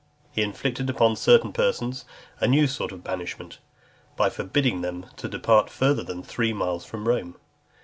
He inflicted on certain persons a new sort of banishment, by forbidding them to depart further than three miles from Rome.